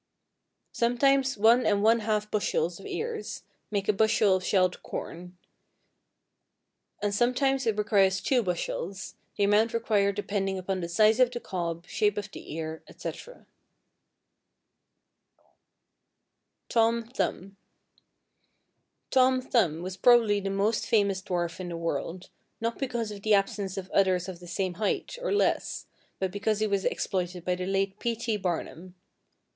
Sometimes one and one half bushels of ears make a bushel of shelled corn, and sometimes it requires two bushels, the amount required depending upon the size of the cob, shape of the ear, etc. =Tom Thumb.= Tom Thumb was probably the most famous dwarf in the world, not because of the absence of others of the same height, or less, but because he was exploited by the late P. T. Barnum.